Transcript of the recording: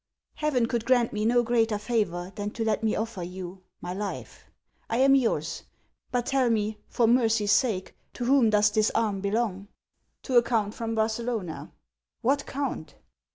" Heaven could grant me no greater favor than to let me offer you — my life. I am yours ; but tell me, for mercy's sake, to whom does this army belong ?" "To a count from Barcelona." "What count